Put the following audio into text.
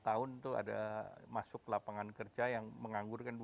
di tahun itu ada masuk lapangan kerja yang menganggur kan dua sembilan